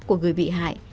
của người bị hại